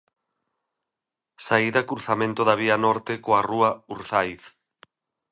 Saída cruzamento da Vía Norte coa Rúa Urzáiz.